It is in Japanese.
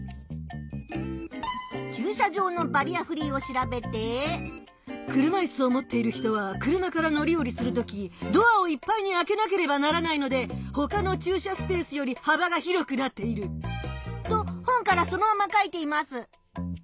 駐車場のバリアフリーを調べて「車いすをもっている人は車から乗り降りする時ドアをいっぱいにあけなければならないのでほかの駐車スペースよりはばが広くなっている」と本からそのまま書いています。